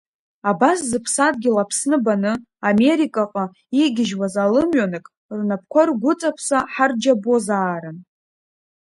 Абас зыԥсадгьыл Аԥсны баны америкаҟа игьежьуаз алымҩанык рнапқәа ргәыҵаԥса ҳарџьабозаарын…